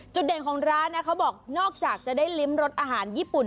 เด่นของร้านนะเขาบอกนอกจากจะได้ลิ้มรสอาหารญี่ปุ่น